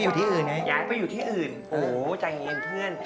กูได้ย้ายไปอยู่ที่อื่นไงโอ้โฮใจเงียบเพื่อน